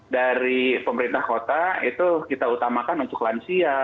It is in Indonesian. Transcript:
dari pemerintah kota itu kita utamakan untuk lansia